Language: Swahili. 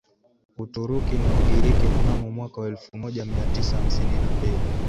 Uturuki na Ugiriki Mnamo mwaka wa elfumoja miatisa hamsini na mbili